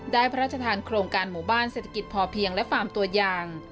พระราชทานโครงการหมู่บ้านเศรษฐกิจพอเพียงและฟาร์มตัวยาง